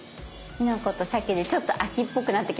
きのことしゃけでちょっと秋っぽくなってきましたね。